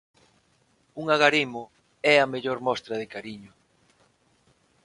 Un agarimo é a mellor mostra de cariño.